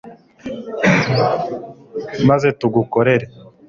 maze tugukorere